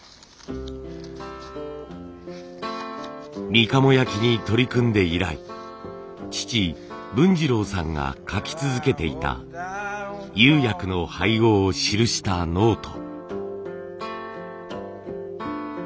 みかも焼に取り組んで以来父文次郎さんが書き続けていた釉薬の配合を記したノート。